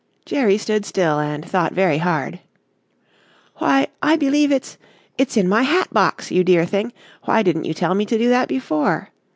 Jerry stood still and thought very hard. "Why, I believe it's it's in my hat box, you dear thing! Why didn't you tell me to do that before?"